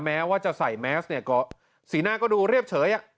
แม้ว่าจะใส่แมสเนี่ยก็สีหน้าก็ดูเรียบเฉย